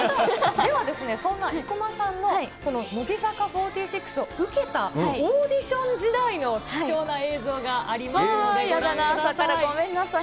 では、そんな生駒さんの、この乃木坂４６を受けたオーディション時代の貴重な映像がありますので、ご覧ください。